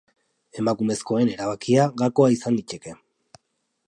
Emakumezkoen erabakia gakoa izan liteke.